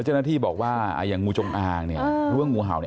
เจ้าหน้าที่บอกว่าอย่างงูจงอ่างล่วงงูเห่านี้